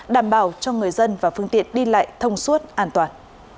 đảm bảo cho người dân và phương tiện đi lại thông suốt an toàn